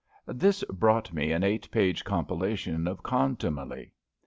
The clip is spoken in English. This brought me an eight page compilation of contumely.